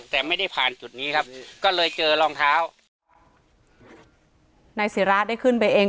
แต่ไม่ได้ผ่านจุดนี้ครับก็เลยเจอรองเท้านายศิราได้ขึ้นไปเอง